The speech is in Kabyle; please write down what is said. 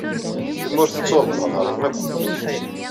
Kem ur tettuṛebbaḍ ara akk.